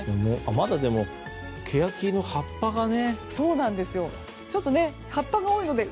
まだケヤキの葉っぱがね。